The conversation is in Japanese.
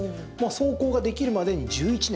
草稿ができるまでに１１年。